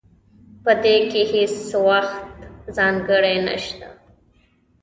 پدې کې هیڅ ځانګړی شی نشته